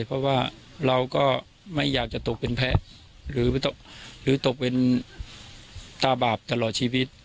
เพราะว่าเราก็ไม่อยากจะตกเป็นแพ้หรือตกเป็นตาบาปตลอดชีวิต